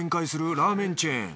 ラーメンチェーン